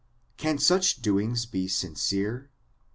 Can such doings be sincere?